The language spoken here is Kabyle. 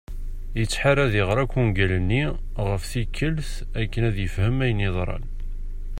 ettḥar ad iɣar akk ungal-nni ɣef tikkelt akken ad yefhem ayen yeḍran.